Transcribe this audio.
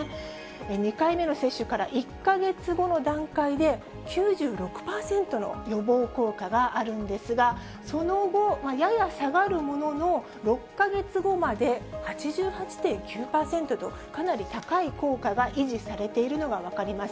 ２回目の接種から１か月後の段階で、９６％の予防効果があるんですが、その後、やや下がるものの、６か月後まで８８．９％と、かなり高い効果が維持されているのが分かります。